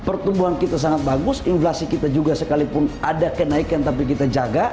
pertumbuhan kita sangat bagus inflasi kita juga sekalipun ada kenaikan tapi kita jaga